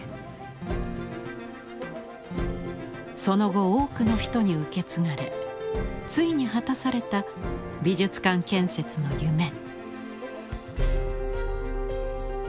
その後多くの人に受け継がれついに果たされた美術館建設の夢。